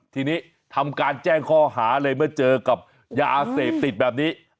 ทีนี้ทำการแจ้งข้อหาเลยเมื่อเจอกับยาเสพติดแบบนี้